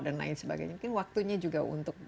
dan lain sebagainya mungkin waktunya juga untuk